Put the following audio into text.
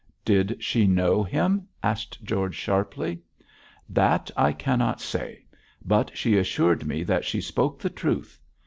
'Did she know him?' asked George, sharply. 'That I cannot say, but she assured me that she spoke the truth.